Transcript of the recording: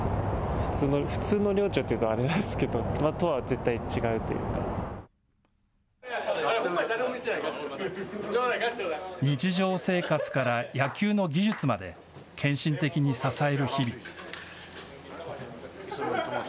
普通の寮長というとあれなんですけど、とは日常生活から野球の技術まで献身的に支える日々。